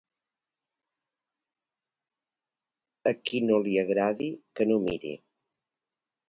A qui no li agradi, que no miri.